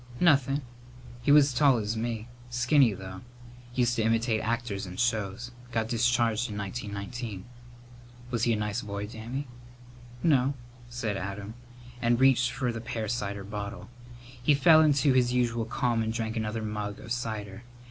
"Nothin'. He was as tall as me. Skinny, though. Used to imitate actors in shows. Got discharged in 1919." "Was he a nice boy, Dammy?" "No," said Adam, and reached for the pear cider bottle. He fell into his usual calm and drank another mug of cider.